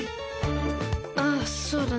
ああそうだね。